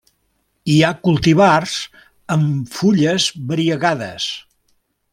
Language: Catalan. Hi ha cultivars amb fulles variegades.